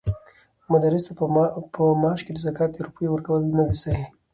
مدرس ته په معاش کې د زکات د روپيو ورکول ندی صحيح؛